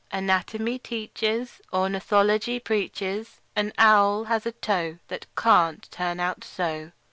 Anatomy teaches, Ornithology preaches An owl has a toe That can't turn out so!